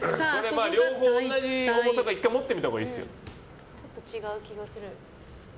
両方同じ重さか１回持ってみたほうがいいですよ。